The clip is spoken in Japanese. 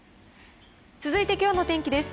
続いて、きょうの天気です。